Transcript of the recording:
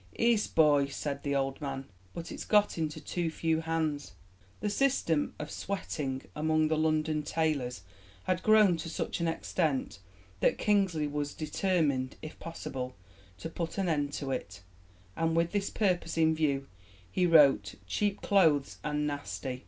"'Ees, booy,' said the old man, 'but it's got into too few hands.'" The system of 'sweating' among the London tailors had grown to such an extent that Kingsley was determined, if possible, to put an end to it, and with this purpose in view he wrote Cheap Clothes and Nasty.